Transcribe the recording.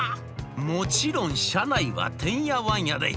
もちろん社内はてんやわんやで。